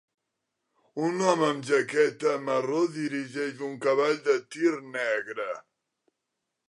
Un home amb jaqueta marró dirigeix un cavall de tir negre.